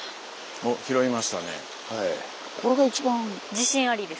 おっ拾いましたね。